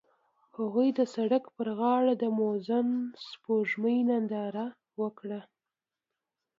هغوی د سړک پر غاړه د موزون سپوږمۍ ننداره وکړه.